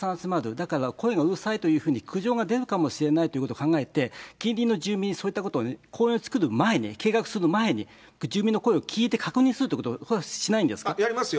だから声がうるさいというふうに、苦情が出るかもしれないということを考えて、近隣の住民にそういったことを公園をつくる前に、計画する前に、住民の声を聞いて確認するということ、これはしなやりますよ。